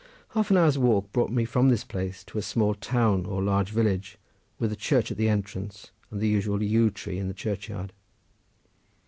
Half an hour's walking brought me from this place to a small town, or large village, with a church at the entrance, and the usual yew tree in the churchyard.